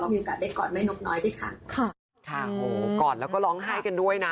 มีโอกาสได้กอดแม่นกน้อยด้วยค่ะค่ะโหกอดแล้วก็ร้องไห้กันด้วยนะ